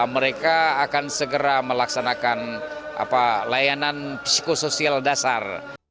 mereka akan segera melaksanakan layanan psikososial dasar